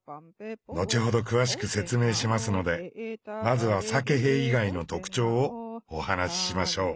後ほど詳しく説明しますのでまずはサケヘ以外の特徴をお話ししましょう。